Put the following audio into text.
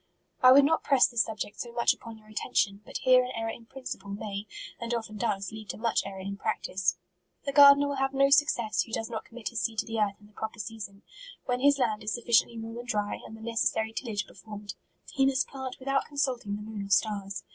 1 would not press this subject so much upon D2 42 MARCH. your attention, but here an error in prinei pie may, and often does, lead to much error in practice. The gardener will have no success who does not commit his seed to the earth in the proper season. When his land is sufficiently warm and dry, and the neces sary tillagp performed, he must plant with out consulting the moon or stars.